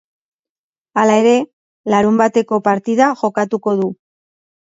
Hala ere, larunbateko partida jokatuko du.